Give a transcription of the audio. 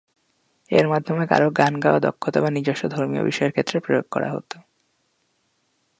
এর মাধ্যমে কারও গান গাওয়া দক্ষতা বা নিজস্ব ধর্মীয় বিষয়ের ক্ষেত্রে প্রয়োগ করা হতো।